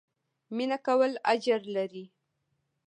مينه کول اجر لري